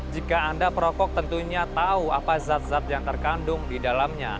jika anda perokok tentunya tahu apa zat zat yang terkandung di dalamnya